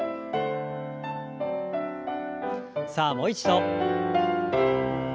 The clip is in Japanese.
さあもう一度。